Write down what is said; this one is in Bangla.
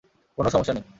কোনও সমস্যা নেই।